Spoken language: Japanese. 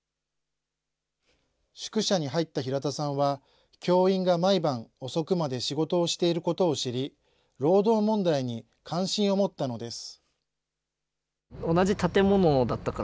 宿舎に入った平田さんは、教員が毎晩、遅くまで仕事をしていることを知り、労働問題に関心を持ったのです。